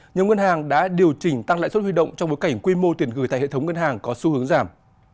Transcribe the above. nhiều ngân hàng đã điều chỉnh tăng lãi suất huy động trong bối cảnh quy mô tiền gửi tại hệ thống ngân hàng có xu hướng giảm